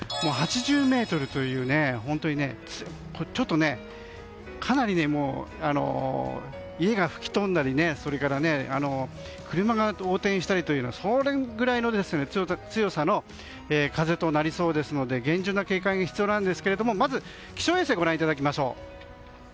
８０メートルというかなり家が吹き飛んだり車が横転したりというようなそれぐらいの強さの風となりそうですので厳重な警戒が必要なんですがまず、気象衛星をご覧いただきましょう。